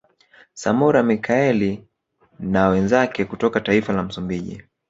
Samora Michaeli na wenzake kutoka taifa la Msumbiji